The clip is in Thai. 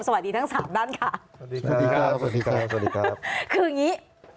สวัสดีทั้ง๓ด้านค่ะสวัสดีครับคืออย่างนี้